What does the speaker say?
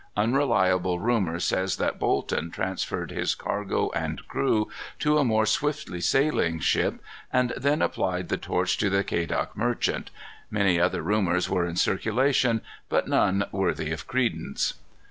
Unreliable rumor says that Bolton transferred his cargo and crew to a more swiftly sailing ship, and then applied the torch to the Quedagh Merchant. Many other rumors were in circulation, but none worthy of credence.